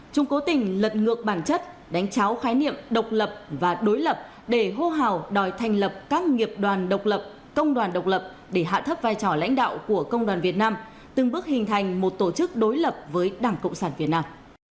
chúng cố tình lật ngược bản chất đánh cháo khái niệm độc lập và đối lập để hô hào đòi thành lập các nghiệp đoàn độc lập công đoàn độc lập để hạ thấp vai trò lãnh đạo của công đoàn việt nam từng bước hình thành một tổ chức đối lập với đảng cộng sản việt nam